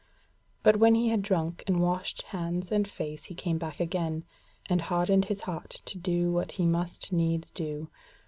But when he had drunk and washed hands and face he came back again, and hardened his heart to do what he must needs do.